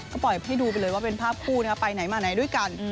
ก็ปล่อยให้ดูไปเลยว่าเป็นภาพคู่ไปไหนมาไหนด้วยกัน